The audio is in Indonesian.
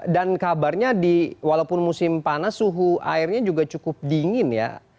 dan kabarnya di walaupun musim panas suhu airnya juga cukup dingin ya